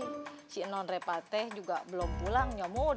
ih si non reva teh juga belum pulang nyomud